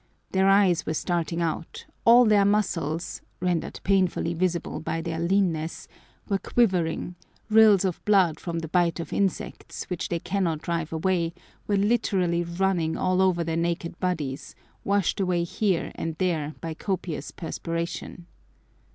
Their eyes were starting out; all their muscles, rendered painfully visible by their leanness, were quivering; rills of blood from the bite of insects, which they cannot drive away, were literally running all over their naked bodies, washed away here and there by copious perspiration.